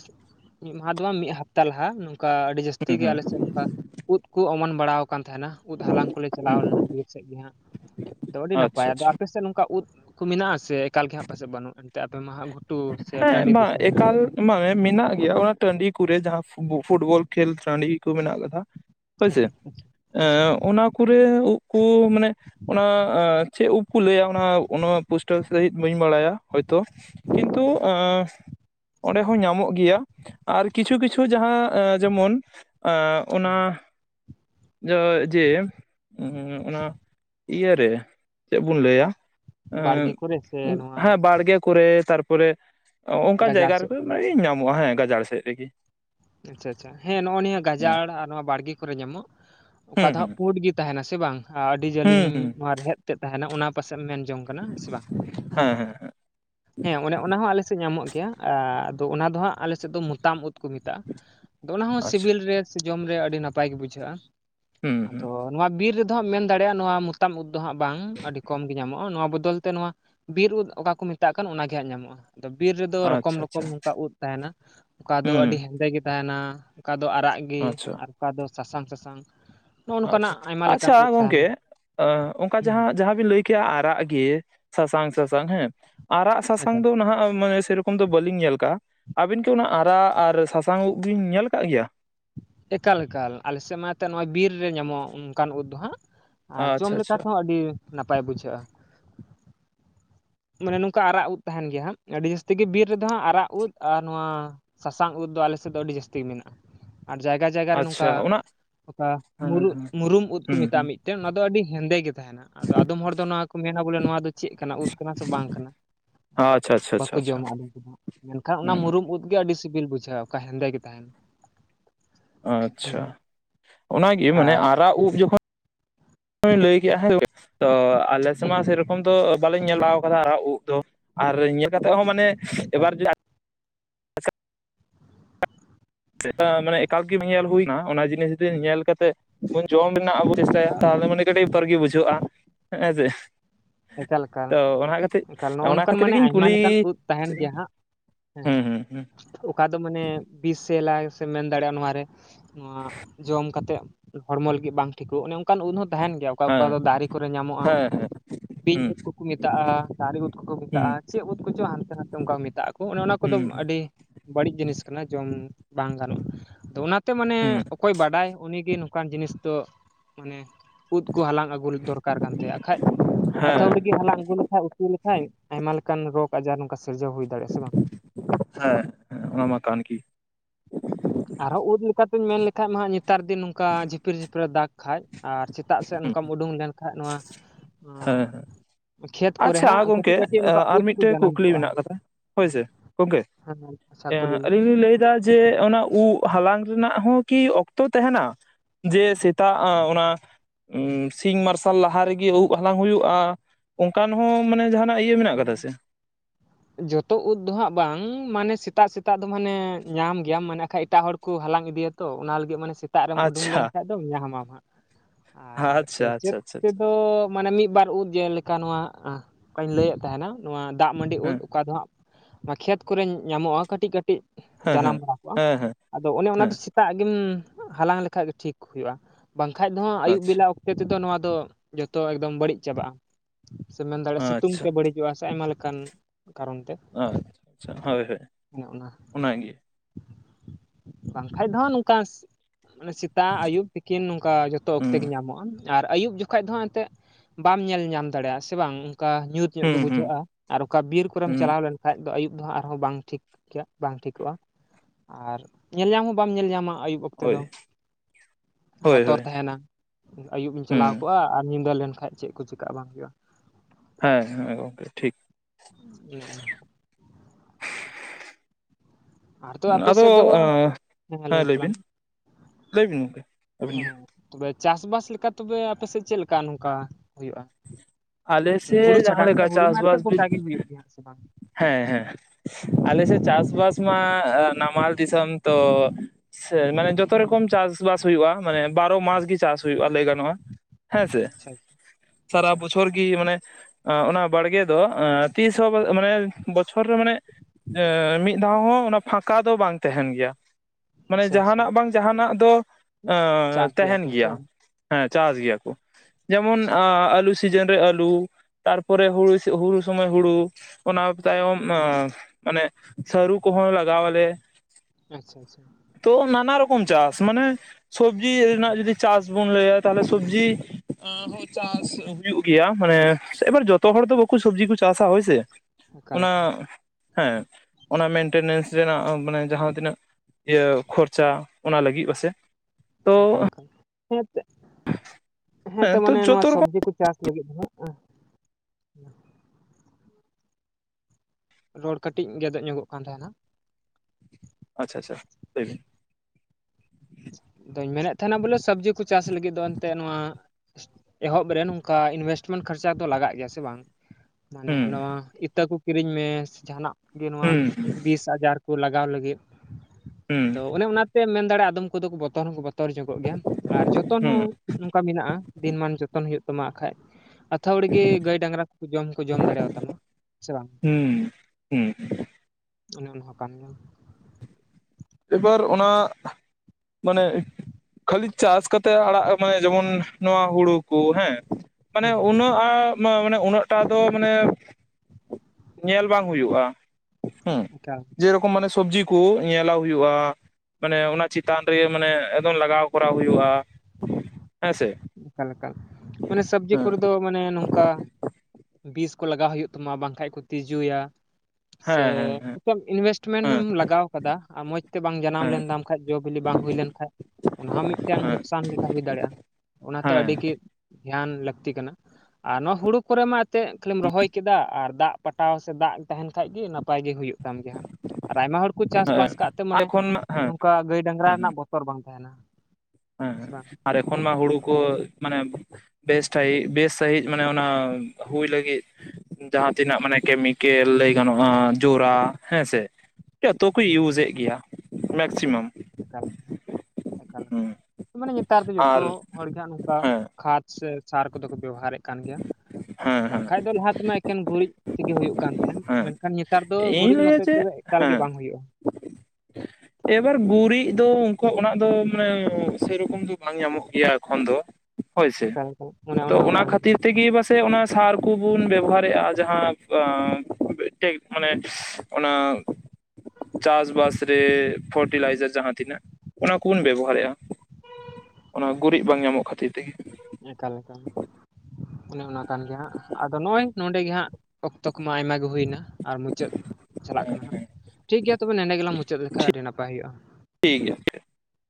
S2: ᱢᱤᱫ ᱢᱟᱦᱟ ᱫᱚ ᱵᱟᱝ ᱢᱤᱫ ᱦᱟᱯᱛᱟ ᱞᱟᱦᱟ ᱱᱚᱝᱠᱟ ᱟᱹᱰᱤ ᱡᱟᱹᱥᱛᱤ
S1: ᱦᱩᱸ ᱦᱩᱸ ᱦᱩᱸ
S2: ᱜᱮ ᱟᱞᱮ
S1: ᱦᱩᱸ
S2: ᱥᱮᱫ ᱱᱚᱝᱠᱟ ᱩᱫ ᱠᱚ ᱚᱢᱚᱱ ᱵᱟᱲᱟ ᱠᱟᱱ ᱛᱟᱸᱦᱮᱱᱟ ᱾ ᱩᱫ ᱦᱟᱞᱟᱝ ᱠᱚᱞᱮ ᱪᱟᱞᱟᱣ ᱞᱮᱱᱟ
S1: ᱦᱩᱸ
S2: ᱵᱤᱨ ᱥᱮᱫ ᱜᱮ ᱦᱟᱸᱜ ᱟᱫᱚ ᱟᱹᱰᱤ
S1: ᱟᱪᱪᱷᱟ
S2: ᱱᱟᱯᱟᱭ ᱟᱫᱚ
S1: ᱟᱪᱪᱷᱟ
S2: ᱟᱯᱮᱥᱮᱫ ᱱᱚᱝᱠᱟ ᱩᱫ ᱠᱚ ᱢᱮᱱᱟᱜᱼᱟ ᱥᱮ ᱮᱠᱟᱞ ᱜᱮ ᱦᱟᱸᱜ ᱯᱟᱥᱮ ᱵᱟᱹᱱᱩᱜ ᱮᱱᱛᱮ ᱟᱯᱮ ᱢᱟ ᱦᱟᱸᱜ ᱜᱷᱩᱴ
S1: ᱦᱮᱸ ᱵᱟ ᱮᱠᱟᱞ ᱢᱟ ᱢᱟᱱᱮ ᱢᱮᱱᱟᱜ ᱜᱮᱭᱟ ᱚᱱᱟ ᱴᱟᱺᱰᱤ ᱠᱚᱨᱮ ᱡᱟᱦᱟᱸ ᱯᱷᱩᱵᱚ ᱯᱷᱩᱴᱵᱚᱞ ᱠᱷᱮᱞ ᱴᱟᱺᱰᱤ ᱠᱚ ᱢᱮᱱᱟᱜ ᱠᱟᱫᱟ ᱦᱳᱭᱥᱮ
S2: ᱟᱪᱪᱷᱟ ᱟᱪᱪᱷᱟ
S1: ᱮ
S2: ᱟᱪᱪᱷᱟ
S1: ᱚᱱᱟ ᱠᱚᱨᱮ ᱩᱵ ᱠᱚ ᱢᱟᱱᱮ ᱚᱱᱟ ᱮ ᱪᱮᱫ ᱩᱵ ᱠᱚ ᱞᱟᱹᱭᱟ ᱚᱱᱟ ᱚᱱᱟ ᱯᱩᱥᱴᱟᱹᱣ ᱥᱟᱺᱦᱤᱡ ᱵᱟᱹᱧ ᱵᱟᱲᱟᱭᱟ ᱦᱚᱭᱛᱚ ᱠᱤᱱᱛᱩ ᱟᱸ ᱚᱸᱰᱮ ᱦᱚᱸ ᱧᱟᱢᱚᱜ ᱜᱮᱭᱟ ᱟᱨ ᱠᱤᱪᱷᱩ ᱠᱤᱪᱷᱩ ᱡᱟᱦᱟᱸ ᱮ ᱡᱮᱢᱚᱱ ᱟᱸ ᱚᱱᱟ ᱡᱟ ᱡᱮ ᱚᱱᱟ ᱤᱭᱟᱹᱨᱮ ᱪᱮᱫ ᱵᱚᱱ ᱞᱟᱹᱭᱟ
S2: ᱵᱟᱲᱜᱮ
S1: ᱮᱸ
S2: ᱠᱚᱨᱮ ᱥᱮ
S1: ᱦᱮᱸ
S2: ᱱᱚᱣᱟ
S1: ᱦᱟ ᱵᱟᱲᱜᱮ ᱠᱚᱨᱮ ᱛᱟᱨᱯᱚᱨᱮ ᱚᱱᱠᱟᱱ
S2: ᱜᱟᱡᱟᱲ
S1: ᱡᱟᱭᱜᱟ
S2: ᱥᱮᱫ ᱠᱚᱨᱮ
S1: ᱨᱮᱜᱮ ᱧᱟᱢᱚᱜᱼᱟ ᱦᱮᱸ ᱜᱟᱡᱟᱲ ᱥᱮᱜ ᱨᱮᱜᱮ ᱾
S2: ᱟᱪᱪᱷᱟ ᱟᱪᱪᱷᱟ ᱦᱮᱸ ᱱᱚᱜᱚ ᱱᱤᱭᱟᱹ ᱜᱟᱡᱟᱲ ᱟᱨ ᱱᱚᱣᱟ ᱵᱟᱲᱜᱮ ᱠᱚᱨᱮ ᱧᱟᱢᱚᱜ ᱚᱠᱟ
S1: ᱦᱩᱸ
S2: ᱫᱚ
S1: ᱦᱩᱸ
S2: ᱦᱟᱸᱜ ᱯᱩᱸᱰ ᱜᱮ ᱛᱟᱦᱮᱱᱟ ᱥᱮ ᱵᱟᱝ ᱟᱹᱰᱤ ᱡᱟᱹᱞᱤᱧ
S1: ᱦᱩᱸ
S2: ᱨᱮᱦᱮᱫ ᱛᱮᱫ ᱛᱟᱦᱮᱱᱟ ᱚᱱᱟ ᱯᱟᱥᱮᱢ ᱢᱮᱱ ᱡᱚᱝ ᱠᱟᱱᱟ ᱥᱮ ᱵᱟ?
S1: ᱦᱮᱸ ᱦᱮᱸ ᱦᱮᱸ
S2: ᱦᱮᱸ ᱚᱱᱮ ᱚᱱᱟ ᱦᱚᱸ ᱟᱞᱮᱥᱮᱜ ᱧᱟᱢᱚᱜ ᱜᱮᱭᱟ ᱟᱫᱚ ᱚᱱᱟ ᱫᱚ ᱦᱟᱸᱜ ᱟᱞᱮᱥᱮᱫ ᱫᱚ ᱢᱚᱛᱟᱢ ᱩᱫ ᱠᱚ ᱢᱮᱫ ᱛᱟ ᱟ ᱟᱫᱚ ᱚᱱᱟ ᱦᱚᱸ
S1: ᱟᱪᱪᱷᱟ
S2: ᱥᱤᱵᱤᱞ ᱨᱮ ᱥᱮ ᱡᱚᱢ ᱨᱮ ᱟᱹᱰᱤ ᱱᱟᱯᱟᱭ ᱜᱮ ᱵᱩᱡᱷᱟᱹᱜᱼᱟ᱾
S1: ᱦᱩᱸ ᱦᱩᱸ
S2: ᱟᱫᱚ ᱱᱚᱣᱟ ᱵᱤᱨ ᱨᱮᱫᱚ ᱦᱟᱸᱜ ᱢᱮᱱ ᱫᱟᱲᱮᱭᱟᱜᱼᱟ ᱱᱚᱣᱟ ᱢᱚᱛᱟᱢ ᱩᱫ ᱫᱚ ᱦᱟᱸᱜ ᱵᱟᱝ ᱟᱹᱰᱤ ᱠᱚᱢ ᱜᱮ ᱧᱟᱢᱚᱜᱼᱟ ᱱᱚᱣᱟ ᱵᱚᱫᱚᱞ ᱛᱮ ᱱᱚᱣᱟ ᱵᱤᱨ ᱩᱫ ᱚᱠᱟ ᱠᱚ ᱢᱮᱛᱟᱜ ᱠᱟᱱᱟ ᱚᱱᱟ ᱜᱮ ᱦᱟᱸᱜ ᱧᱟᱢᱚᱜᱼᱟ ᱾ ᱟᱫᱚ ᱵᱤᱨ ᱨᱮᱫᱚ ᱨᱚᱠᱚᱢ
S1: ᱟᱪᱪᱷᱟ
S2: ᱨᱚᱠᱚᱢ
S1: ᱟᱪᱪᱷᱟ
S2: ᱱᱚᱝᱠᱟ ᱩᱫ ᱛᱟᱸᱦᱮᱱᱟ ᱚᱠᱟ ᱫᱚ
S1: ᱦᱩᱸ
S2: ᱟᱹᱰᱤ ᱦᱮᱸᱫᱮ ᱜᱮ ᱛᱟᱦᱮᱱᱟ ᱚᱠᱟ ᱫᱚ ᱟᱨᱟᱜ ᱜᱮ
S1: ᱟᱪᱪᱷᱟ
S2: ᱟᱨ ᱚᱠᱟ ᱫᱚ ᱥᱟᱥᱟᱝ ᱥᱟᱥᱟᱝ ᱾
S1: ᱟᱪᱪᱷᱟ ᱟᱪᱪᱷᱟ ᱜᱚᱝᱠᱮ ᱚᱱᱠᱟ
S2: ᱦᱩᱸ
S1: ᱡᱟᱸᱦᱟᱸ
S2: ᱦᱩᱸ
S1: ᱡᱟᱸᱦᱟᱸ ᱞᱟᱹᱭ ᱠᱮᱜᱼᱟ ᱟᱨᱟᱜ ᱜᱮ ᱥᱟᱥᱟᱝ ᱥᱟᱥᱟᱝ ᱦᱮᱸ ᱟᱨᱟᱜ ᱥᱟᱥᱟᱝ
S2: ᱮᱠᱟᱞ
S1: ᱫᱚ ᱱᱟᱦᱟᱜ ᱢᱟᱱᱮ ᱥᱮᱨᱚᱠᱚᱢ *inaudible* ᱫᱚ ᱵᱟᱹᱞᱤᱧ ᱧᱮᱞ ᱠᱟᱜᱼᱟ ᱟᱹᱵᱤᱱ ᱠᱤ ᱚᱱᱟ ᱟᱨᱟᱜ ᱟᱨ ᱥᱟᱥᱟᱝ ᱩᱫ ᱵᱤᱱ ᱧᱮᱞ ᱠᱟᱜ ᱜᱮᱭᱟ?
S2: ᱮᱠᱟᱞ ᱮᱠᱟᱞ ᱟᱞᱮ ᱥᱮᱜᱢᱟ ᱮᱱᱛᱮ ᱵᱤᱨ ᱨᱮ ᱧᱟᱢᱚᱜ ᱾ ᱚᱱᱠᱟᱱ ᱩᱫ ᱫᱚ ᱦᱟᱸᱜ᱾ ᱟᱨ ᱡᱚᱢ
S1: ᱟᱪᱪᱷᱟ
S2: ᱞᱮᱠᱟ
S1: ᱟᱪᱪᱷᱟ
S2: ᱛᱮᱦᱚᱸ ᱟᱹᱰᱤ ᱱᱟᱯᱟᱭ ᱵᱩᱡᱷᱟᱹᱜᱼᱟ ᱾ ᱢᱟᱱᱮ ᱱᱚᱝᱠᱟ ᱟᱨᱟᱜ ᱩᱫ ᱛᱟᱦᱮᱱ ᱜᱮᱭᱟ ᱦᱟᱸᱜ ᱟᱹᱰᱤ ᱡᱟᱹᱥᱛᱤ ᱜᱮ ᱵᱤᱨ ᱨᱮᱫᱚ ᱦᱟᱸᱜ ᱟᱨᱟᱜ ᱩᱫ ᱟᱨ ᱱᱚᱣᱟ, ᱥᱟᱥᱟᱝ ᱩᱫ ᱫᱚ ᱟᱞᱮ ᱥᱮᱫ ᱫᱚ ᱟᱹᱰᱤ ᱡᱟᱹᱥᱛᱤ ᱜᱮ ᱢᱮᱱᱟᱜᱼᱟ ᱾ ᱟᱨ ᱡᱟᱭᱜᱟ ᱡᱟᱭᱜᱟ ᱨᱮ ᱱᱚᱝᱠᱟ
S1: ᱟᱪᱪᱷᱟ ᱚᱱᱟ
S2: ᱚᱠᱟ
S1: ᱦᱮᱸ
S2: ᱢᱩᱨᱩᱢ
S1: ᱦᱮᱸ
S2: ᱢᱩᱨᱩᱢ ᱩᱫ ᱠᱚ
S1: ᱦᱩᱸ
S2: ᱢᱮᱛᱟᱜᱼᱟ
S1: ᱦᱩᱸ
S2: ᱢᱤᱫᱴᱮᱱ ᱾ ᱚᱱᱟ ᱫᱚ ᱟᱹᱰᱤ ᱦᱮᱸᱫᱮ ᱜᱮ ᱛᱟᱦᱮᱱᱟ ᱟᱫᱚ ᱟᱫᱚᱢ ᱦᱚᱲ ᱫᱚ ᱱᱚᱣᱟ ᱠᱚ ᱢᱮᱱ ᱛᱟᱵᱚᱞᱮ ᱱᱚᱣᱟ ᱫᱚ ᱪᱮᱫ ᱠᱟᱱᱟ ᱩᱫ ᱠᱟᱱᱟ ᱥᱮ ᱵᱟᱝ ᱠᱟᱱᱟ ᱟᱫᱚ
S1: ᱟᱪᱪᱷᱟ ᱟᱪᱪᱷᱟ ᱟᱪᱪᱷᱟ
S2: ᱵᱟᱠᱚ
S1: ᱟᱪᱪᱷᱟ
S2: ᱡᱚᱢᱟ ᱚᱱᱟ ᱠᱚ᱾ ᱢᱮᱱᱠᱷᱟᱱ ᱚᱱᱟ
S1: ᱦᱩᱸ
S2: ᱢᱩᱨᱩᱢ ᱩᱫ ᱜᱮ ᱟᱹᱰᱤ ᱥᱤᱵᱤᱞ ᱜᱮ ᱵᱩᱡᱷᱟᱹᱜᱼᱟ ᱚᱠᱟ ᱦᱮᱸᱫᱮ ᱜᱮ ᱛᱟᱦᱮᱱ ᱾
S1: ᱟᱪᱪᱷᱟ ᱚᱱᱟ ᱜᱮ ᱢᱟᱱᱮ
S2: ᱟᱨ
S1: ᱟᱨᱟᱜ ᱩᱫ ᱡᱚᱠᱷᱚᱱ ᱞᱟᱹᱭ ᱠᱮᱜᱼᱟ *inaudible* ᱛᱚ ᱟᱞᱮ
S2: ᱦᱩᱸ
S1: ᱥᱮᱢᱟ
S2: ᱦᱩᱸ
S1: ᱥᱮᱨᱚ ᱨᱚᱠᱚᱢ ᱫᱚ ᱵᱟᱹᱞᱤᱧ ᱧᱮᱞᱟ ᱠᱟᱫᱟ ᱟᱨᱟᱜ ᱩᱫ ᱫᱚ ᱟᱨ ᱧᱮᱞ ᱠᱟᱛᱮ ᱦᱚᱸ ᱢᱟᱱᱮ
S2: ᱮᱠᱟᱞ
S1: ᱮᱵᱟᱨ ᱢᱟᱱᱮ ᱮᱠᱟᱞ ᱜᱮ ᱧᱮᱞ ᱦᱩᱭ ᱠᱟᱱᱟ ᱚᱱᱟ ᱡᱤᱱᱤᱥ ᱡᱩᱫᱤ ᱧᱮᱞ ᱠᱟᱛᱮᱜ ᱵᱚᱱ ᱡᱚᱢ ᱨᱮᱱᱟᱜ ᱟᱵᱚ ᱪᱮᱥᱴᱟᱭᱟ ᱛᱟᱦᱚᱞᱮ ᱢᱟᱱᱮ ᱠᱟᱹᱴᱤᱡ ᱵᱚᱛᱚᱨ ᱜᱮ ᱵᱩᱡᱷᱟᱹᱜᱼᱟ ᱦᱮᱸᱥᱮ
S2: ᱮᱠᱟᱞ
S1: ᱾
S2: ᱮᱠᱟᱞ
S1: ᱛᱚ ᱚᱱᱟ ᱠᱷᱟᱹᱛᱤᱨ
S2: ᱮᱠᱟᱞ ᱱᱚᱜᱼᱚ
S1: ᱚᱱᱟ
S2: ᱱᱚᱝᱠᱟᱱ
S1: ᱠᱷᱟᱹᱛᱤᱨ
S2: ᱢᱟᱱᱮ
S1: ᱜᱤᱧ
S2: ᱟᱭᱢᱟ
S1: ᱠᱩᱞᱤ
S2: ᱞᱮᱠᱟᱱ ᱩᱫ ᱛᱟᱦᱮᱱ
S1: ᱠᱮᱫᱟ᱾
S2: ᱜᱮᱭᱟ ᱦᱟᱸᱜ
S1: ᱦᱮᱸ ᱦᱩᱸ ᱦᱩᱸ᱾
S2: ᱚᱠᱟ ᱫᱚ ᱢᱟᱱᱮ ᱵᱤᱥ ᱥᱮ ᱮᱞᱟ ᱥᱮᱢ ᱢᱮᱱ ᱫᱟᱲᱮᱭᱟᱜᱼᱟ ᱱᱚᱣᱟ ᱨᱮ᱾ ᱱᱚᱣᱟ ᱡᱚᱢ ᱠᱟᱛᱮᱜ ᱦᱚᱲᱢᱚ ᱞᱟᱹᱜᱤᱫ ᱵᱟᱝ ᱴᱷᱤᱠᱚᱜ ᱚᱱᱮ ᱚᱱᱠᱟᱱ ᱩᱫ ᱦᱚᱸ ᱛᱟᱦᱮᱱ ᱜᱮᱭᱟ᱾ ᱚᱠᱟ
S1: ᱦᱮᱸ
S2: ᱚᱠᱟ ᱫᱚ ᱫᱟᱨᱮ ᱠᱚᱨᱮ ᱧᱟᱢᱚᱜᱼᱟ ᱾
S1: ᱦᱮᱸ
S2: ᱵᱤᱧ
S1: ᱦᱮᱸ
S2: ᱩᱫ ᱠᱚᱠᱚ ᱢᱮᱛᱟᱜᱼᱟ ᱫᱟᱨᱮ ᱩᱫ ᱠᱚᱠᱚ
S1: ᱦᱩᱸ
S2: ᱢᱮᱛᱟᱜᱼᱟ ᱪᱮᱫ ᱩᱫ ᱠᱚᱪᱚ ᱦᱟᱱᱛᱮ ᱱᱟᱛᱮ ᱚᱱᱠᱟ ᱢᱮᱛᱟᱜᱼᱟ᱾ ᱚᱱᱮ ᱚᱱᱟ ᱠᱚᱫᱚ
S1: ᱦᱩᱸ
S2: ᱟᱹᱰᱤ ᱵᱟᱹᱲᱤᱡ ᱡᱤᱱᱤᱥ ᱠᱟᱱᱟ ᱡᱚᱢ ᱵᱟᱝ ᱜᱟᱱᱚᱜᱼᱟ ᱟᱫᱚ ᱚᱱᱟᱛᱮ ᱢᱟᱱᱮ
S1: ᱦᱩᱸ
S2: ᱚᱠᱚᱭ ᱵᱟᱰᱟᱭ ᱩᱱᱤ ᱜᱮ ᱱᱚᱝᱠᱟᱱ ᱫᱚ ᱢᱟᱱᱮ ᱩᱫ ᱠᱚ ᱦᱟᱞᱟᱝ ᱟᱹᱜᱩ ᱫᱚᱨᱠᱟᱨ ᱠᱟᱱ ᱛᱟᱭᱟ ᱠᱷᱟᱡ᱾
S1: ᱦᱮᱸ
S2: ᱟᱹᱛᱷᱟᱹᱣᱲᱤ ᱜᱮ ᱦᱟᱞᱟᱝ ᱟᱹᱜᱩ ᱞᱮᱠᱷᱟᱡ ᱩᱛᱩ ᱞᱮᱠᱷᱟᱡ ᱟᱭᱢᱟ ᱞᱮᱠᱟᱱ ᱨᱳᱜᱽ ᱟᱡᱟᱨ ᱱᱚᱝᱠᱟ ᱥᱤᱨᱡᱟᱹᱶ ᱦᱩᱭ ᱫᱟᱲᱮᱭᱟᱜᱼᱟ ᱥᱮ ᱵᱟᱝ᱾
S1: ᱦᱮᱸ ᱚᱱᱟ ᱢᱟ ᱠᱟᱱ ᱜᱮ
S2: ᱟᱨᱦᱚᱸ ᱩᱫ ᱞᱮᱠᱟ ᱛᱤᱧ ᱢᱮᱱ ᱞᱮᱠᱷᱟᱡ ᱢᱟ ᱱᱮᱛᱟᱨ ᱫᱤᱱ ᱱᱚᱝᱠᱟ ᱡᱷᱤᱯᱤᱨ ᱡᱷᱤᱯᱤᱨᱮ ᱫᱟᱜᱽ ᱠᱷᱟᱡ ᱟᱨ ᱥᱮᱛᱟᱜ ᱥᱮᱫ ᱱᱚᱝᱠᱟᱢ ᱩᱰᱩᱝ ᱞᱮᱱᱠᱟᱱ ᱱᱚᱣᱟ
S1: ᱦᱮᱸ ᱦᱮᱸ
S2: ᱟᱸ ᱠᱷᱮᱛ ᱠᱚᱨᱮ
S1: ᱟᱪᱪᱷᱟ
S2: ᱦᱟᱸᱜ ᱠᱟᱹᱴᱤᱡ
S1: ᱜᱚᱝᱠᱮ
S2: ᱠᱟᱹᱴᱤᱡ ᱱᱚᱝᱠᱟ
S1: ᱟᱨ
S2: ᱩᱫ ᱠᱚ
S1: ᱢᱤᱫᱴᱮᱱ
S2: ᱡᱟᱱᱟᱢ
S1: ᱠᱩᱠᱞᱤ
S2: ᱠᱚᱜᱼᱟ
S1: ᱢᱮᱱᱟᱜ ᱟᱠᱟᱫᱟ᱾ ᱦᱳᱭ ᱥᱮ ᱜᱚᱝᱠᱮ
S2: ᱦᱮᱸ ᱥᱟᱠᱚᱞᱤ
S1: ᱟᱹᱞᱤᱧ ᱞᱤᱧ ᱞᱟᱹᱭ ᱮᱫᱟ ᱡᱮ ᱚᱱᱟ ᱩᱵ ᱦᱟᱞᱟᱝ ᱨᱮᱱᱟᱜ ᱦᱚᱸ ᱠᱤ ᱚᱠᱛᱚ ᱛᱟᱦᱮᱱᱟ᱾ ᱡᱮ ᱥᱮᱛᱟᱜ ᱚᱱᱟ ᱥᱤᱧ ᱢᱟᱨᱥᱟᱞ ᱞᱟᱦᱟ ᱨᱮᱜᱮ ᱩᱵ ᱦᱟᱞᱟᱝ ᱦᱩᱭᱩᱜᱼᱟ᱾ ᱚᱱᱠᱟᱱ ᱦᱚᱸ ᱢᱟᱱᱮ ᱡᱟᱦᱱᱟᱜ ᱤᱭᱟᱹ ᱢᱮᱱᱟᱜ ᱟᱠᱟᱫᱟ ᱥᱮ᱾
S2: ᱡᱚᱛᱷᱚ ᱩᱫ ᱫᱚ ᱦᱟᱸᱜ ᱵᱟᱝ ᱢᱟᱱᱮ ᱥᱮᱛᱟᱜ ᱥᱮᱛᱟᱜ ᱫᱚ ᱢᱟᱱᱮ ᱧᱟᱢ ᱜᱮᱭᱟᱢ ᱢᱟᱱᱮ ᱠᱷᱟᱡ ᱮᱴᱟᱜ ᱦᱚᱲ ᱠᱚ ᱦᱟᱞᱟᱝ ᱤᱫᱤᱭᱟ᱾ ᱛᱚ ᱚᱱᱟ ᱞᱟᱹᱜᱤᱫ ᱢᱟᱱᱮ ᱥᱮᱛᱟᱜ ᱨᱮᱢ ᱩᱰᱩᱝᱠ ᱞᱮᱱ
S1: ᱟᱪᱪᱷᱟ
S2: ᱠᱷᱟᱡ ᱫᱚ ᱧᱟᱢ ᱟᱢ ᱦᱟᱸᱜ᱾ ᱟᱨ
S1: ᱟᱪᱪᱷᱟ
S2: ᱤᱧ ᱥᱮᱫ
S1: ᱟᱪᱪᱷᱟ ᱟᱪᱪᱷᱟ ᱟᱪᱪᱷᱟ
S2: ᱛᱮᱫᱚ ᱢᱟᱱᱮ ᱢᱤᱫ ᱵᱟᱨ ᱩᱫ ᱡᱮᱞᱮᱠᱟ ᱱᱚᱣᱟ ᱚᱠᱟᱧ ᱞᱟᱹᱭᱮᱫ ᱛᱟᱦᱮᱱᱟ ᱱᱚᱣᱟ ᱫᱟᱜ ᱢᱟᱹᱰᱤ ᱩᱫ
S1: ᱦᱮᱸ
S2: ᱚᱠᱟ ᱫᱚ ᱦᱟᱸᱜ ᱠᱷᱮᱛ ᱠᱚᱨᱮ ᱧᱟᱢᱚᱜᱼᱟ ᱠᱟᱹᱴᱤᱡ ᱠᱟᱹᱴᱤᱡ
S1: ᱦᱮᱸ
S2: ᱡᱟᱱᱟᱢ
S1: ᱦᱮᱸ
S2: ᱵᱟᱲᱟ ᱠᱚᱜᱼᱟ᱾
S1: ᱦᱮᱸ ᱦᱮᱸ
S2: ᱟᱫᱚ ᱚᱱᱮ ᱚᱱᱟ ᱫᱚ
S1: ᱦᱮᱸ
S2: ᱥᱮᱛᱟᱜ ᱜᱮᱢ ᱦᱟᱞᱟᱝ ᱞᱮᱠᱷᱟᱡ ᱜᱮ ᱴᱷᱤᱠ ᱦᱩᱭᱩᱜᱼᱟ, ᱵᱟᱝᱠᱷᱟᱡ ᱫᱚ ᱦᱟᱸᱜ ᱟᱭᱩᱵ
S1: ᱟᱪᱪᱷᱟ
S2: ᱵᱮᱞᱟ ᱚᱠᱼᱼ ᱦᱚᱛᱮᱫ ᱛᱮᱫᱚ ᱱᱚᱣᱟ ᱫᱚ ᱡᱚᱛᱚ ᱮᱠᱫᱚᱢ ᱵᱟᱹᱲᱤᱡ ᱪᱟᱵᱟᱜᱼᱟ ᱥᱮ ᱢᱮᱱ ᱫᱟᱲᱮᱭᱟᱜᱼᱟ ᱥᱤᱛᱩᱝ᱾
S1: ᱟᱪᱪᱷᱟ
S2: ᱛᱮ ᱵᱟᱹᱲᱤᱡᱚᱜᱼᱟ ᱥᱮ ᱟᱭᱢᱟ ᱞᱮᱠᱟᱱ ᱠᱟᱨᱚᱱ ᱛᱮ
S1: ᱟᱪᱪᱷᱟ
S2: ᱟᱫᱚ
S1: ᱦᱳᱭ ᱦᱳᱭ ᱚᱱᱟᱜᱮ᱾
S2: ᱵᱟᱝ ᱠᱷᱟᱡ ᱫᱟ ᱦᱟᱜ ᱱᱚᱝᱠᱟᱼᱼ ᱢᱟᱱᱮ ᱥᱮᱛᱟᱜ ᱟᱹᱭᱩᱵ ᱛᱤᱠᱤᱱ ᱱᱚᱝᱠᱟ ᱡᱚᱛᱚ ᱚᱠᱛᱮ ᱜᱮ
S1: ᱦᱩᱸ
S2: ᱧᱟᱢᱚᱜᱼᱟ᱾ ᱟᱨ ᱟᱹᱭᱩᱵ ᱡᱚᱠᱷᱟᱡ ᱫᱚ ᱮᱱᱛᱮᱫ ᱵᱟᱢ ᱧᱮᱞ ᱧᱟᱢ ᱫᱟᱲᱮᱭᱟᱜᱼᱟ ᱥᱮ ᱵᱟᱝ ᱚᱱᱠᱟ ᱧᱩᱛ᱾ ᱧᱚᱜ ᱜᱮ
S1: ᱦᱩᱸ ᱦᱩᱸ
S2: ᱵᱩᱡᱷᱟᱹᱜᱼᱟ ᱟᱨ ᱚᱠᱟ ᱵᱤᱨ ᱠᱚᱨᱮᱢ
S1: ᱦᱩᱸ
S2: ᱪᱟᱞᱟᱣ ᱞᱮᱱᱠᱷᱟᱱ ᱫᱚ ᱟᱹᱭᱩᱵ ᱫᱚ ᱦᱟᱜ ᱟᱨᱦᱚᱸ ᱵᱟᱝ ᱴᱷᱤᱠ ᱵᱟᱝ ᱴᱷᱤᱠᱚᱜᱼᱟ᱾ ᱟᱨ ᱧᱮᱞ ᱧᱟᱢ ᱦᱚᱸ ᱵᱟᱢ ᱧᱮᱞ ᱧᱟᱢᱟ ᱟᱹᱭᱩᱵ ᱚᱠᱛᱮ
S1: ᱦᱳᱭ
S2: ᱫᱚ
S1: ᱦᱳᱭ
S2: ᱵᱚᱛᱚᱨ
S1: ᱦᱳᱭ
S2: ᱛᱟᱦᱮᱱᱟ᱾ ᱟᱹᱭᱩᱵ ᱤᱧ
S1: ᱦᱩᱸ
S2: ᱪᱟᱞᱟᱣ ᱠᱚᱜᱼᱟ ᱟᱨ ᱧᱤᱫᱟᱹ ᱞᱮᱱᱠᱟᱡ ᱪᱮᱫ ᱠᱚ ᱪᱤᱠᱟᱹ ᱵᱟᱝ ᱦᱩᱭᱩᱜᱼᱟ᱾
S1: ᱦᱮᱸ ᱦᱮᱸ ᱜᱚᱝᱠᱮ ᱴᱷᱤᱠ᱾
S2: *unintelligible* ᱟᱨ ᱛᱚ ᱟᱯᱮ
S1: ᱟᱫᱚ
S2: ᱥᱮᱫ ᱫᱚ
S1: ᱦᱮᱸ ᱞᱟᱹᱭ ᱵᱤᱱ ᱞᱟᱹᱭ ᱵᱤᱱ ᱜᱚᱝᱠᱮ
S2: ᱢᱮ
S1: ᱟᱵᱤᱱ ᱜᱮ᱾
S2: ᱦᱮᱸ ᱛᱚᱵᱮ ᱪᱟᱥᱵᱟᱥ ᱞᱮᱠᱟ ᱛᱚᱵᱮ ᱟᱯᱮᱥᱮᱫ ᱪᱮᱫᱞᱮᱠᱟ ᱱᱚᱝᱠᱟ ᱦᱩᱭᱩᱜᱼᱟ᱾
S1: ᱟᱞᱮ
S2: ᱦᱩᱲᱩ
S1: ᱥᱮᱫ
S2: ᱪᱷᱟᱰᱟ
S1: ᱡᱟᱦᱟᱸ ᱞᱮᱠᱟ
S2: ᱠᱟᱛᱮᱫ ᱦᱩᱲᱩ ᱢᱟ ᱮᱱᱛᱮ
S1: ᱪᱟᱥᱵᱟᱥ ᱵᱤᱱ
S2: ᱜᱚᱴᱟ ᱜᱮ ᱦᱩᱭᱩᱜ ᱠᱟᱱᱟ ᱦᱮ ᱥᱮ ᱵᱟᱝ?
S1: ᱦᱮᱸ ᱦᱮᱸ ᱟᱞᱮ ᱥᱮᱫ ᱪᱟᱥᱵᱟᱥ ᱢᱟ ᱱᱟᱢᱟᱞ ᱫᱤᱥᱚᱢ ᱛᱚ ᱥᱮ ᱱᱟᱭ ᱡᱚᱛᱚ ᱨᱚᱠᱚᱢ ᱪᱟᱥᱵᱟᱥ ᱦᱩᱭᱩᱜᱼᱟ ᱢᱟᱱᱮ ᱵᱟᱨᱚ ᱢᱟᱥ ᱜᱮ ᱪᱟᱥ ᱦᱩᱭᱩᱜᱼᱟ ᱞᱟᱹᱭ ᱜᱟᱱᱚᱜᱼᱟ᱾ ᱦᱮᱸ ᱥᱮ ᱥᱟᱨᱟ ᱵᱚᱪᱷᱚᱨ ᱜᱮ ᱢᱟᱱᱮ ᱚᱱᱟ ᱵᱟᱲᱜᱮ ᱫᱚ ᱛᱤᱥ ᱦᱚᱸ ᱢᱟᱱᱮ ᱵᱚᱪᱷᱚᱨ ᱨᱮ ᱢᱟᱱᱮ ᱢᱤᱫ ᱫᱷᱟᱣ ᱦᱚᱸ ᱚᱱᱟ ᱯᱷᱟᱸᱠᱟ ᱫᱚ ᱵᱟᱝ ᱛᱟᱦᱮᱱ ᱜᱮᱭᱟ᱾ ᱢᱟᱱᱮ ᱡᱟᱦᱟᱱᱟᱜ ᱵᱟᱝ ᱡᱟᱦᱟᱱᱟᱜ ᱫᱚ ᱮᱻ ᱛᱟᱦᱮᱱ
S2: ᱠᱚ ᱥᱮ
S1: ᱜᱮᱭᱟ᱾
S2: ᱵᱟᱝ
S1: ᱦᱮᱸ ᱪᱟᱥ ᱜᱮᱭᱟ ᱠᱚ ᱡᱮᱢᱚᱱ
S2: ᱟᱪᱪᱷᱟ
S1: ᱟᱻᱟᱞᱩᱼᱼ ᱥᱤᱡᱚᱱ ᱨᱮ ᱟᱞᱩ ᱛᱟᱨᱯᱚᱨᱮ ᱦᱩᱲᱩ ᱦᱩᱲᱩ ᱥᱚᱢᱚᱭ ᱦᱩᱲᱩ᱾ ᱚᱱᱟ ᱛᱟᱭᱚᱢ ᱢᱟᱱᱮ ᱥᱟᱹᱨᱩ ᱠᱚᱦᱚᱸ ᱞᱟᱜᱟᱣᱟᱞᱮ᱾
S2: ᱟᱪᱪᱷᱟ ᱟᱪᱪᱷᱟ᱾
S1: ᱛᱚ ᱱᱟᱱᱟ ᱨᱚᱠᱚᱢ ᱪᱟᱥ ᱢᱟᱱᱮ ᱥᱚᱵᱡᱤ ᱨᱮᱱᱟᱜ ᱡᱩᱫᱤ ᱪᱟᱥ ᱵᱚᱱ ᱞᱟᱹᱭᱟ ᱛᱟᱦᱞᱮ ᱥᱚᱵᱡᱤ᱾ ᱟ ᱦᱚᱸ ᱪᱟᱥ ᱦᱩᱭᱩᱜ ᱜᱮᱭᱟ ᱢᱟᱱᱮ ᱮᱵᱟᱨ ᱡᱚᱛᱚ ᱦᱚᱲ ᱫᱚ ᱵᱟᱠᱚ ᱥᱚᱵᱡᱤ ᱠᱚ ᱪᱟᱥᱟ ᱦᱳᱭᱥᱮ᱾
S2: ᱚᱠᱟ
S1: ᱚᱱᱟ
S2: ᱞᱮᱠᱟ
S1: ᱦᱮᱸ ᱚᱱᱟ ᱢᱮᱱᱴᱮᱱᱮᱱᱥ ᱨᱮᱱᱟᱜ ᱢᱟᱱᱮ ᱡᱟᱦᱟᱸ ᱛᱤᱱᱟᱹᱜ ᱤᱭᱟᱹ ᱠᱷᱚᱨᱪᱟ ᱚᱱᱟ ᱞᱟᱹᱜᱤᱫ ᱦᱚᱥᱮ᱾
S2: ᱮᱠᱟᱞ ᱮᱠᱟᱞ ᱦᱮᱸᱛᱚ
S1: ᱦᱮᱸ ᱛᱚ
S2: ᱢᱟᱱᱮ ᱱᱚᱣᱟ
S1: ᱡᱚᱛᱚ ᱨᱚᱠᱚᱢ
S2: ᱥᱚᱵᱡᱤ ᱠᱚ ᱪᱟᱥ ᱞᱟᱹᱜᱤᱫ ᱫᱚ ᱨᱚᱲ ᱠᱟᱹᱴᱤᱡ ᱜᱮᱫ ᱧᱚᱜᱚᱜ ᱠᱟᱱ ᱛᱟᱦᱮᱱᱟ᱾
S1: ᱟᱪᱪᱷᱟ ᱟᱪᱪᱷᱟ ᱞᱟᱹᱭᱵᱤᱱ
S2: ᱟᱫᱚᱧ ᱢᱮᱱᱮᱫ ᱛᱟᱦᱮᱱᱟ ᱵᱚᱞᱮ ᱥᱚᱵᱽᱡᱤ ᱠᱚ ᱪᱟᱥ ᱞᱟᱹᱜᱤᱫ ᱫᱚ ᱮᱱᱛᱮᱜ ᱱᱚᱣᱟ ᱮᱦᱚᱵ ᱨᱮ ᱱᱚᱝᱠᱟ ᱤᱱᱵᱷᱮᱥᱴᱢᱮᱱᱴ ᱠᱷᱚᱨᱪᱟ ᱫᱚ ᱜᱮᱭᱟ ᱥᱮ ᱵᱟᱝ?
S1: ᱦᱩᱸ
S2: ᱢᱟᱱᱮ ᱱᱚᱣᱟ ᱤᱛᱟᱹ ᱠᱚ ᱠᱤᱨᱤᱧ ᱢᱮ ᱡᱟᱦᱟᱱᱟᱜ ᱜᱮ ᱱᱚᱣᱟ
S1: ᱦᱩᱸ
S2: ᱵᱤᱥ᱾ ᱪᱟᱡᱟᱨ ᱠᱚ ᱞᱟᱜᱟᱣ ᱞᱟᱹᱜᱤᱫ,
S1: ᱦᱩᱸ
S2: ᱟᱫᱚ ᱚᱱᱮ ᱚᱱᱟᱛᱮᱢ ᱢᱮᱱ ᱫᱟᱲᱮᱭᱟᱜᱼᱟ ᱟᱫᱚᱢ ᱠᱚᱫᱚ ᱠᱚ ᱵᱚᱛᱚᱨ ᱦᱚᱸᱠᱚ ᱵᱚᱛᱚᱨ ᱛᱚᱨ ᱧᱚᱜᱚᱜ ᱜᱮᱭᱟ ᱟᱨ ᱡᱚᱛᱚᱱ
S1: ᱦᱩᱸ
S2: ᱦᱚᱸ ᱱᱚᱝᱠᱟ ᱢᱮᱱᱟᱜᱼᱟ ᱫᱤᱱᱢᱟᱱ ᱡᱚᱛᱚᱱ ᱦᱩᱭᱩᱜ ᱛᱟᱢᱟ ᱦᱟᱸᱜ ᱠᱷᱟᱡ᱾ ᱛᱷᱟᱣᱲᱤ ᱜᱮ ᱜᱟᱹᱭ ᱰᱟᱝᱨᱟ ᱠᱚᱠᱚ ᱡᱚᱢ ᱦᱚᱸ ᱠᱚ ᱡᱚᱢ ᱫᱟᱲᱮᱭᱟᱛᱟᱢᱟ ᱥᱮ ᱵᱟᱝ?
S1: ᱦᱩᱸ᱾ ᱦᱩᱸ ᱦᱩᱸ᱾
S2: ᱚᱱᱮ ᱚᱱᱟ ᱦᱚᱸ ᱠᱟᱱ ᱜᱮᱭᱟ᱾
S1: ᱮᱵᱟᱨ ᱚᱱᱟ ᱢᱟᱱᱮ ᱠᱷᱟᱹᱞᱤ ᱪᱟᱥ ᱠᱟᱛᱮᱜ ᱟᱲᱟᱜ ᱢᱟᱱᱮ ᱡᱮᱢᱚᱱ ᱱᱚᱣᱟ ᱦᱩᱲᱩ ᱠᱚ ᱦᱮᱸ ᱢᱟᱱᱮ
S2: ᱦᱩᱸ ᱦᱩᱸ
S1: ᱩᱱᱟᱹᱜ ᱟ ᱢᱟ ᱢᱟᱱᱮ ᱩᱱᱟᱹᱜ ᱴᱟ ᱫᱚ ᱢᱟᱱᱮ ᱧᱮᱞ ᱵᱟᱝ ᱦᱩᱭᱩᱜᱼᱟ᱾ ᱦᱮᱸ
S2: ᱮᱠᱟᱞ
S1: ᱡᱮᱨᱚᱠᱚᱢ ᱢᱟᱱᱮ ᱥᱚᱵᱡᱤ ᱠᱚ ᱧᱮᱞᱟᱣ ᱦᱩᱭᱩᱜᱼᱟ᱾ ᱢᱟᱱᱮ ᱚᱱᱟ ᱪᱮᱛᱟᱱ ᱨᱮ ᱢᱟᱱᱮ ᱮᱠᱫᱚᱢ ᱞᱟᱜᱟᱣ ᱠᱚᱨᱟᱣ ᱦᱩᱭᱩᱜᱼᱟ ᱦᱮᱸ ᱥᱮ?
S2: ᱮᱠᱟᱞ ᱮᱠᱟᱞ, ᱢᱟᱱᱮ ᱥᱚᱵᱽᱡᱤ
S1: ᱦᱮᱸ
S2: ᱠᱚᱨᱮ ᱫᱚ ᱢᱟᱱᱮ ᱱᱚᱝᱠᱟ ᱵᱤᱥ ᱠᱚ ᱞᱟᱜᱟᱣ ᱦᱳᱭᱳᱜ ᱛᱟᱢᱟ ᱵᱟᱝᱠᱟᱱᱡ ᱠᱚ ᱛᱤᱡᱳᱭᱟ᱾ ᱥᱮᱻ
S1: ᱦᱮᱸ ᱦᱮᱸ ᱦᱮᱸ
S2: ᱤᱱᱵᱷᱮᱥᱴᱢᱮᱱᱴ
S1: ᱦᱮᱸ
S2: ᱮᱢ ᱞᱟᱜᱟᱣ ᱠᱟᱫᱟ ᱟᱨ ᱢᱚᱸᱡᱽ ᱛᱮ ᱵᱟᱝ ᱡᱟᱱᱟᱢ
S1: ᱦᱮᱸ
S2: ᱞᱮᱱ ᱛᱟᱢ ᱠᱷᱟᱡ ᱡᱚ ᱵᱤᱞᱤ ᱵᱟᱝ ᱦᱩᱭ ᱞᱮᱱ ᱠᱷᱟᱡ᱾ ᱚᱱᱟ ᱦᱚᱸ ᱢᱤᱫᱴᱮᱱ ᱱᱩᱠᱥᱟᱱ ᱞᱮᱠᱟ ᱦᱩᱭ ᱫᱟᱲᱮᱭᱟᱜᱼᱟ, ᱚᱱᱟ ᱛᱮ
S1: ᱦᱮᱸ ᱦᱮᱸ
S2: ᱟᱹᱰᱤ ᱜᱮ ᱫᱷᱮᱭᱟᱱ ᱞᱟᱹᱠᱛᱤ ᱠᱟᱱᱟ ᱾ ᱟᱨ ᱱᱚᱣᱟ ᱦᱩᱲᱩ ᱠᱚᱨᱮ ᱢᱟ ᱪᱮᱫ ᱠᱷᱟᱹᱞᱤᱢ ᱨᱚᱦᱚᱭ ᱠᱮᱫᱟ ᱟᱨ ᱫᱟᱜ ᱯᱟᱴᱟᱣ ᱥᱮ ᱫᱟᱜ ᱛᱟᱦᱮᱱ ᱠᱷᱟᱡ ᱜᱮ ᱱᱟᱯᱟᱭ ᱜᱮ ᱦᱩᱭᱩᱜᱼᱟ᱾ ᱛᱟᱢ ᱜᱮ ᱦᱟᱸᱜ ᱟᱨ ᱟᱭᱢᱟ ᱦᱚᱲ ᱠᱚ ᱪᱟᱥ ᱵᱟᱥ
S1: ᱦᱮᱸ
S2: ᱠᱟᱜ ᱛᱮ
S1: ᱟᱨ
S2: ᱢᱟᱱᱮ
S1: ᱮᱠᱷᱚᱱ ᱢᱟ ᱦᱮᱸ
S2: ᱱᱚᱝᱠᱟ ᱜᱟᱹᱭ ᱰᱟᱝᱨᱟ ᱨᱮᱱᱟᱜ ᱵᱚᱛᱚᱨ ᱾ ᱵᱚᱛᱚᱨ ᱵᱟᱝ ᱛᱟᱦᱮᱱᱟ ᱾
S1: ᱦᱮᱸ ᱦᱮᱸ, ᱟᱨ ᱮᱠᱷᱚᱱ ᱢᱟ ᱦᱩᱲᱩ ᱠᱚ ᱢᱟᱱᱮ ᱵᱮᱥ ᱴᱷᱟᱦᱤᱡ ᱵᱮᱥ ᱥᱟᱺᱦᱤᱡ ᱢᱟᱱᱮ ᱚᱱᱟ ᱦᱩᱭ ᱞᱟᱹᱜᱤᱫ ᱡᱟᱦᱟᱸ ᱛᱤᱱᱟᱹᱜ ᱢᱟᱱᱮ ᱠᱮᱢᱤᱠᱮᱞ ᱞᱟᱹᱭ ᱜᱟᱱᱚᱜᱼᱟ ᱡᱳᱨᱟ ᱦᱮᱸᱥᱮ? ᱡᱚᱛᱚ ᱠᱚ
S2: ᱦᱩᱸ
S1: ᱤᱭᱩᱡᱽ
S2: ᱦᱩᱸ
S1: ᱮᱫ ᱜᱮᱭᱟ ᱢᱮᱠᱥᱤᱢᱟᱢ᱾
S2: ᱮᱠᱟᱞ, ᱮᱠᱟᱞ ᱮᱠᱟᱞ
S1: ᱦᱩᱸ
S2: ᱢᱟᱱᱮ ᱱᱮᱛᱟᱨ ᱫᱚ ᱡᱚᱛᱚ
S1: ᱟᱨ
S2: ᱦᱚᱲ ᱜᱮ ᱦᱟᱸᱜ ᱱᱚᱝᱠᱟ
S1: ᱦᱮᱸ
S2: ᱠᱷᱟᱫᱽ ᱥᱮ ᱥᱟᱨ ᱠᱚ ᱫᱚ ᱠᱚ ᱵᱮᱵᱚᱦᱟᱨᱮᱫ ᱠᱟᱱ ᱜᱮᱭᱟ
S1: ᱦᱮᱸ ᱦᱮᱸ
S2: ᱵᱟᱝᱠᱷᱟᱡ ᱫᱚ ᱞᱟᱦᱟ ᱛᱮᱢᱟ ᱮᱠᱮᱱ ᱜᱩᱨᱤᱡ ᱾ ᱛᱮ ᱜᱮ ᱦᱩᱭᱩᱜ ᱠᱟᱱ ᱛᱟᱦᱮᱸᱱ
S1: ᱦᱮᱸ
S2: ᱢᱮᱱ ᱠᱷᱟᱱ ᱱᱮᱛᱟᱨ ᱫᱚ
S1: ᱤᱧ
S2: ᱜᱩᱨᱤᱡ
S1: ᱞᱟᱹᱭᱟ
S2: ᱢᱚᱛᱮ
S1: ᱡᱮ
S2: ᱛᱮ ᱫᱚ ᱮᱠᱟᱞ ᱜᱮ
S1: ᱦᱮᱸ
S2: ᱵᱟᱝ ᱦᱩᱭᱩᱜᱼᱟ᱾
S1: ᱮᱵᱟᱨ ᱜᱩᱨᱤᱡ ᱫᱚ ᱩᱱᱠᱩ ᱚᱱᱟ ᱫᱚ ᱢᱟᱱᱮ ᱥᱮᱨᱚᱠᱚᱢ ᱫᱚ ᱵᱟᱝ ᱧᱟᱢᱚᱜ ᱜᱮᱭᱟ ᱮᱠᱷᱚᱱ ᱫᱚ ᱾ ᱦᱳᱭ ᱥᱮ,
S2: ᱮᱠᱟᱞ ᱮᱠᱟᱞ ᱚᱱᱮ
S1: ᱛᱚ
S2: ᱦᱚᱸ
S1: ᱚᱱᱟ
S2: ᱠᱟᱱ
S1: ᱠᱷᱟᱹᱛᱤᱨ
S2: ᱜᱮᱭᱟ
S1: ᱛᱤᱜᱤ ᱯᱟᱥᱮᱡ ᱚᱱᱟ ᱥᱟᱨ ᱠᱩᱵᱚᱱ ᱵᱮᱵᱚᱦᱟᱨᱮᱜᱼᱟ ᱡᱟᱦᱟᱸ ᱢᱮᱫ ᱴᱮᱡ ᱢᱟᱱᱮ ᱚᱱᱟ ᱪᱟᱥ ᱵᱟᱥ ᱨᱮ ᱯᱷᱚᱨᱴᱤᱞᱟᱭᱡᱟᱨ ᱡᱟᱦᱟᱸ ᱛᱤᱱᱟᱹᱜ ᱾ ᱚᱱᱟ ᱠᱩᱵᱚᱱ ᱵᱮᱵᱚᱦᱟᱨᱮᱫᱼᱟ ᱚᱱᱟ ᱜᱩᱨᱤᱡ ᱵᱟᱝ ᱧᱟᱢᱚᱜ ᱠᱷᱟᱹᱛᱤᱨ ᱛᱮ ᱜᱮ᱾
S2: ᱮᱠᱟᱞ ᱮᱠᱟᱞ, ᱚᱱᱮ ᱚᱱᱟ ᱠᱟᱱ ᱜᱮᱭᱟ ᱦᱟᱸᱜ ᱟᱫᱚ ᱱᱚᱜᱼᱚᱭ ᱱᱚᱰᱮ ᱜᱮ ᱦᱟᱸᱜ ᱚᱠᱛᱚ ᱠᱚ ᱢᱟ ᱟᱭᱢᱟ ᱜᱮ ᱦᱩᱭᱱᱟ ᱾ ᱟᱨ ᱢᱩᱪᱟᱹᱫ ᱪᱟᱞᱟᱜ ᱠᱟᱱᱟ ᱦᱟᱸᱜ, ᱴᱷᱤᱠ ᱜᱮᱭᱟ ᱛᱚᱵᱮ ᱱᱮᱸᱰᱮ ᱜᱮᱞᱟᱝ ᱢᱩᱪᱟᱹᱫ ᱞᱮᱠᱷᱟᱡ ᱟᱹᱰᱤ ᱱᱟᱯᱟᱭ ᱦᱩᱭᱩᱜᱼᱟ᱾
S1: ᱴᱷᱤᱠ ᱜᱮᱭᱟ,